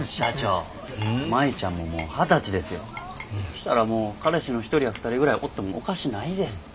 したらもう彼氏の１人や２人ぐらいおってもおかしないですって。